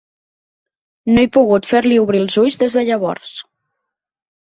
No he pogut fer-li obrir els ulls des de llavors.